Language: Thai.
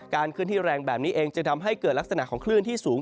เคลื่อนที่แรงแบบนี้เองจึงทำให้เกิดลักษณะของคลื่นที่สูง